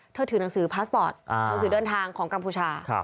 ถือหนังสือพาสปอร์ตหนังสือเดินทางของกัมพูชา